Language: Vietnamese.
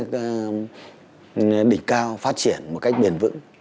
để bóng đá phong trào phát triển một cách bền vững